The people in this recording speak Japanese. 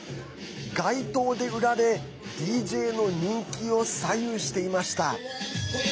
街頭で売られＤＪの人気を左右していました。